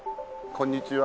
こんにちは。